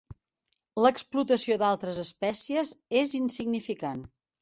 L'explotació d'altres espècies és insignificant.